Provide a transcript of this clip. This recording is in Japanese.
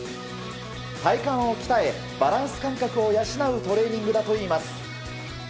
体感を鍛え、バランス感覚を養うトレーニングだといいます。